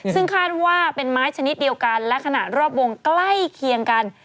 ซึ่งคาดว่าเป็นไม้ชนิดเดียวกันและขณะรอบวงใกล้เคียงกัน